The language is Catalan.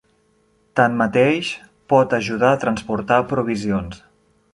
Tanmateix, pot ajudar a transportar provisions.